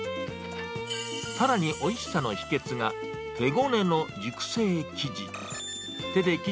さらにおいしさの秘けつが、手ごねの熟成生地。